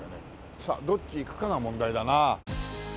さあどっち行くかが問題だな。